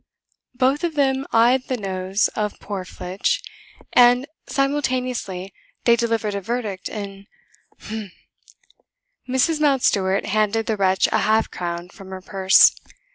Both of them eyed the nose of poor Flitch, and simultaneously they delivered a verdict in "Humph!" Mrs. Mountstuart handed the wretch a half crown from her purse.